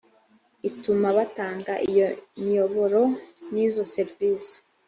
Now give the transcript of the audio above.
ituma batanga iyo miyoboro n’izo serivisi